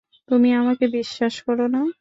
তুমি আমাকে বিশ্বাস করো না?